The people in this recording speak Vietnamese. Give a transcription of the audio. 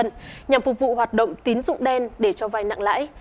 nhằm phục vụ hoạt động tín dụng đen để cho vai nặng lãi